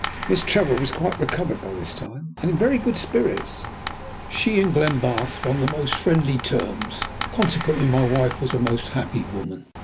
Miss Trevor was quite recovered by this time, and in very good spirits. She and Glenbarth were on the most friendly terms, consequently my wife was a most happy woman.